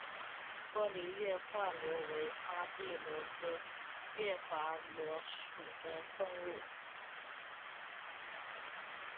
玻璃月华螺为阿地螺科月华螺属的动物。